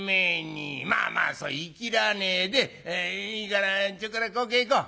まあまあそういきらねえでいいからちょっくらこけへこう。